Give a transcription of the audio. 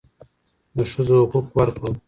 د ښځو حقوق ورکړو.